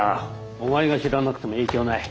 お前が知らなくても影響ない。